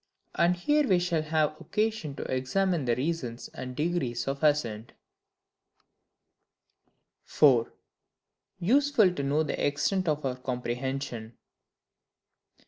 And here we shall have occasion to examine the reasons and degrees of ASSENT. 4. Useful to know the Extent of our Comprehension.